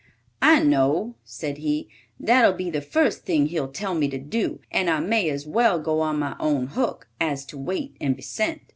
"I know,", said he, "that'll be the first thing he'll tell me to do, and I may as well go on my own hook, as to wait and be sent."